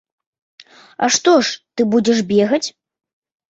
А што ж ты будзеш бегаць?